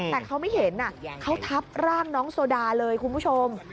แต่เขาไม่เห็นเขาทับร่างน้องโซดาเลยคุณผู้ชม